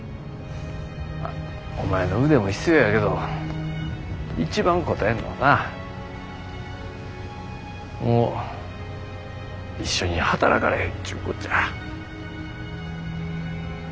お前の腕も必要やけど一番こたえんのはなもう一緒に働かれへんちゅうこっちゃ。